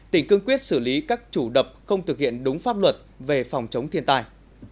tỉnh cương quyết xử lý các chủ đập không thực hiện đúng pháp luật về phòng chống thiên tai